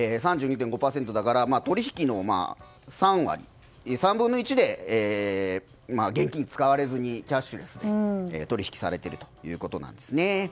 ３２．５％だから取引の３割、３分の１で現金が使われずにキャッシュレスで取引されているということなんですね。